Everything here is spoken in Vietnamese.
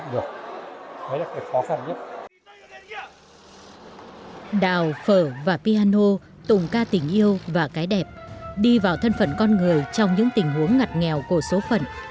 đào phở và piano tùng ca tình yêu và cái đẹp đi vào thân phận con người trong những tình huống ngặt nghèo của số phận